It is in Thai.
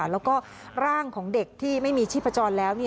แล้วก็ร่างของเด็กที่ไม่มีชีพจรแล้ว